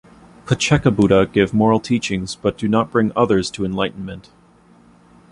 Paccekabuddha give moral teachings but do not bring others to enlightenment.